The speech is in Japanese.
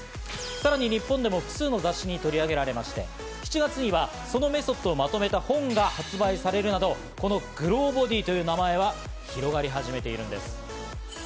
さらに日本でも複数の雑誌に取り上げられまして、７月にはそのメソッドをまとめた本が発売されるなど、このｇｌｏｂｏｄｙという名前は広がり始めているんです。